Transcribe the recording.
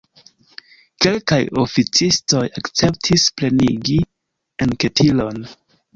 Kelkaj oficistoj akceptis plenigi enketilon.